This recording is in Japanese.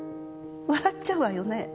笑っちゃうわよねぇ。